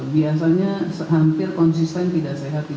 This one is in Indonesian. biasanya hampir konsisten tidak sehat